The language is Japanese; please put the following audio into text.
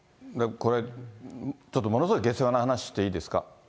これ、ちょっとものすごい下世話な話していいですか。